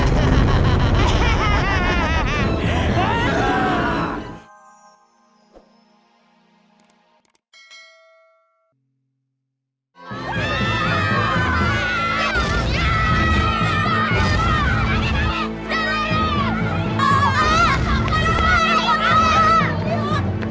jangan lupa like share dan subscribe ya